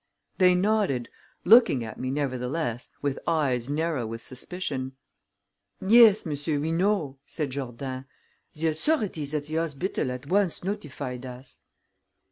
They nodded, looking at me, nevertheless, with eyes narrow with suspicion. "Yes, monsieur, we know," said Jourdain. "The authorities at the hospital at once notified us."